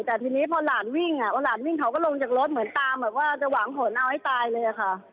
แต่ทีนี้พอหลานวิ่งอ่ะพอหลานวิ่งเขาก็ลงจากรถเหมือนตามแบบว่าจะหวังผลเอาให้ตายเลยค่ะ